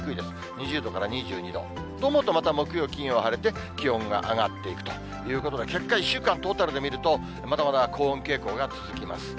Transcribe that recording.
２０度から２２度。と思うとまた木曜、金曜は晴れて、気温が上がっていくということで、結果、１週間トータルで見ると、まだまだ高温傾向が続きます。